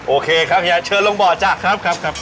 โอเคครับเฮียเชิญลงบ่อจ๊ะครับครับครับ